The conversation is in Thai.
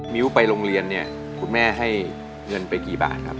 ้วไปโรงเรียนเนี่ยคุณแม่ให้เงินไปกี่บาทครับ